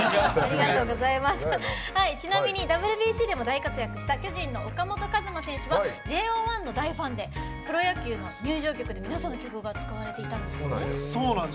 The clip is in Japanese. ちなみにＷＢＣでも大活躍した巨人の岡本和真選手はＪＯ１の大ファンでプロ野球の入場曲で皆さんの曲が使われていたんですよね。